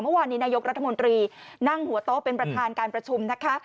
เมื่อวานนี้นายกรัฐมนตรีนั่งหัวโต๊ะเป็นประธานการประชุมนะคะ